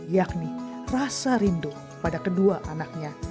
yakni rasa rindu pada kedua anaknya